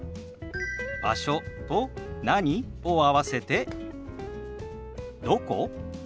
「場所」と「何？」を合わせて「どこ？」。